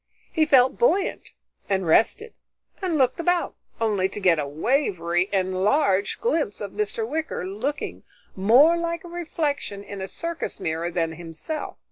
He felt buoyant and rested and looked about, only to get a wavery, enlarged glimpse of Mr. Wicker, looking more like a reflection in a circus mirror than himself.